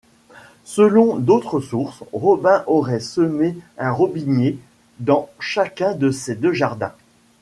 Selon d’autres sources, Robin aurait semé un robinier dans chacun de ces deux jardins.